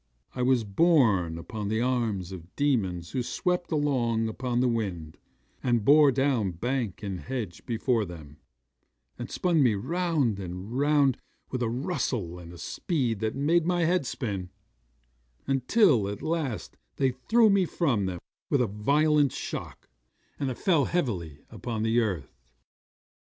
I was borne upon the arms of demons who swept along upon the wind, and bore down bank and hedge before them, and spun me round and round with a rustle and a speed that made my head swim, until at last they threw me from them with a violent shock, and I fell heavily upon the earth.